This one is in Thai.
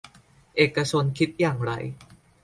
เอกชนคิดอย่างไร